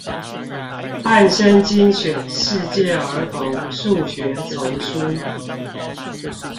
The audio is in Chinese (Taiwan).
漢聲精選世界兒童數學叢書